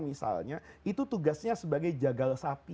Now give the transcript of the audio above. misalnya itu tugasnya sebagai jagal sapi